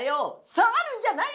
触るんじゃないよ！